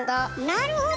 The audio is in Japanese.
なるほど！